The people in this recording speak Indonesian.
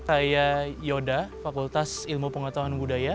saya yoda fakultas ilmu pengatauan budaya